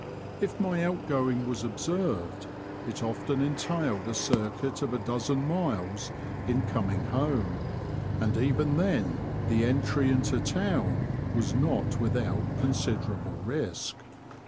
If my out going was observed it often entailed a circuit of a dozen miles in coming home, and even then the entry into town was not without considerable risk.